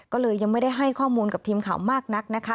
กับทีมข่าวมากนักนะคะ